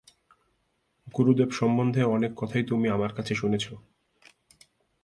গুরুদেব সম্বন্ধে অনেক কথাই তুমি আমার কাছে শুনেছ।